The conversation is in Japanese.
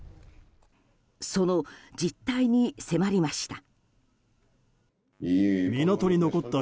その実態に迫りました。